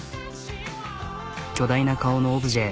巨大な顔のオブジェ。